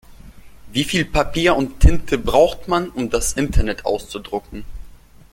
Wie viel Papier und Tinte braucht man, um das Internet auszudrucken?